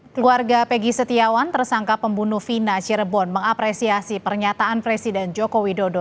keluarga pegi setiawan tersangka pembunuh vina cirebon mengapresiasi pernyataan presiden joko widodo